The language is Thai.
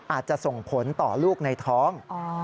อาจจะส่งผลต่อลูกในท้อง